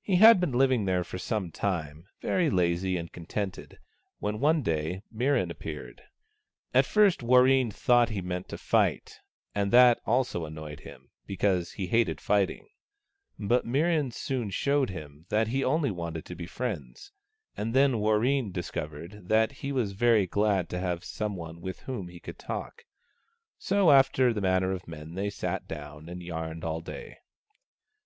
He had been living there for some time, very lazy and contented, when one day Mirran appeared. At first Warreen thought he meant to fight, and 151 152 MIRRAN AND WARREEN that also annoyed him, because he hated fighting. But Mirran soon showed him that he only wanted to be friends ; and then Warreen discovered that he was very glad to have some one with whom he could talk. So after the manner of men, they sat down and yarned all day.